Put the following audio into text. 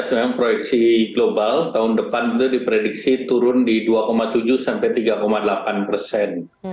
memang proyeksi global tahun depan itu diprediksi turun di dua tujuh sampai tiga delapan persen